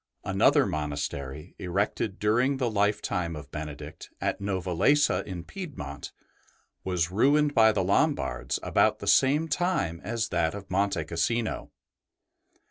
Another monastery, erected during the lifetime of Benedict at Novalesa in Piedmont, was ruined by the Lombards about the same time as that of Monte Cassino.